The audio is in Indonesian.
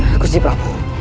aku si prabu